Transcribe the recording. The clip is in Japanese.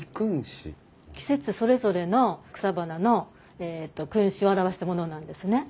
季節それぞれの草花のえっと君子を表したものなんですね。